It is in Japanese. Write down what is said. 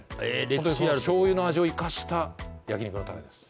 ホントに醤油の味を生かした焼肉のタレです